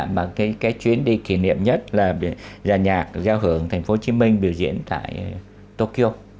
và cái chuyến đi kỷ niệm nhất là giả nhạc giao hưởng thành phố hồ chí minh biểu diễn tại tokyo